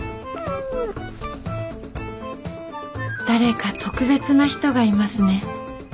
誰か特別な人がいますね？